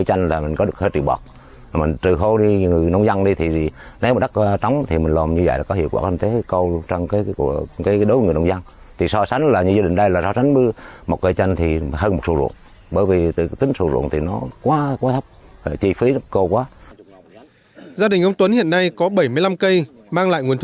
gia đình ông tuấn hiện nay có bảy mươi năm cây mang lại nguồn thu gần một trăm năm mươi triệu đồng một năm